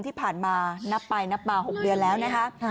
ที่ผ่านมานับไปนับมา๖เดือนแล้วนะคะ